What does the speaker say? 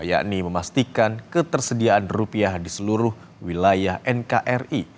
yakni memastikan ketersediaan rupiah di seluruh wilayah nkri